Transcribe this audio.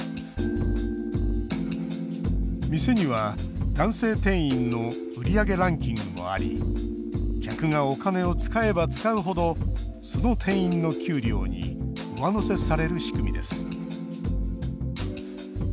店には男性店員の売り上げランキングもあり客がお金を使えば使う程その店員の給料に上乗せされる仕組みです。